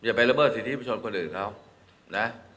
อย่าไปละเมิดสิทธิประชนคนอื่นเขานะ